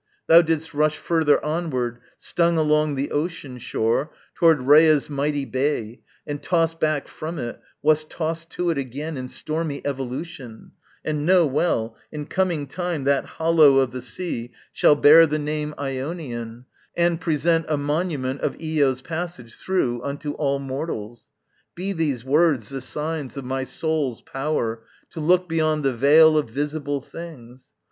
Thou didst rush further onward, stung along The ocean shore, toward Rhea's mighty bay And, tost back from it, wast tost to it again In stormy evolution: and, know well, In coming time that hollow of the sea Shall bear the name Ionian and present A monument of Io's passage through Unto all mortals. Be these words the signs Of my soul's power to look beyond the veil Of visible things.